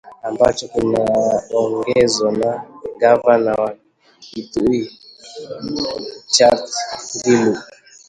ambacho kinaongozwa na Gavana wa Kitui Charity Ngilu